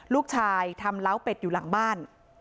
ลูกชายทำเล้าเป็ดอยู่หลังบ้าน